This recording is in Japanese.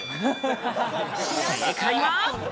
正解は。